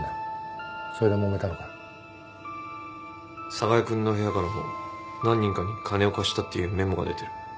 寒河江君の部屋からも何人かに金を貸したっていうメモが出てる。